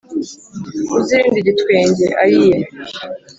Uzirinde igitwenge ayiyeee